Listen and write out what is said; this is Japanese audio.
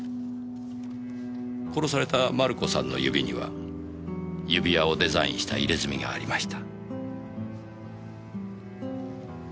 殺されたマルコさんの指には指輪をデザインした入れ墨がありました。